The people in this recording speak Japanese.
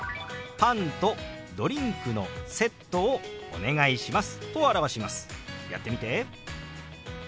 パンとドリンクのセットをお願いします。